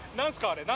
あれ何？